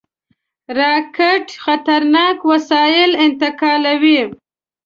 راکټ خطرناک وسایل انتقالوي